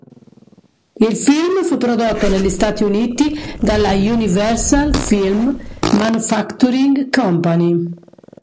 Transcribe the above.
Il film fu prodotto negli Stati Uniti dalla Universal Film Manufacturing Company.